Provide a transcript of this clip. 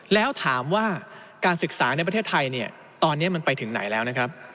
แล้วถามว่าการศึกษาในประเทศไทยเนี่ยตอนนี้มันไปถึงไหนแล้วนะครับ